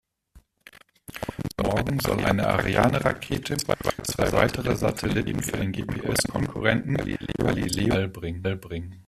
Morgen soll eine Ariane-Rakete zwei weitere Satelliten für den GPS-Konkurrenten Galileo ins All bringen.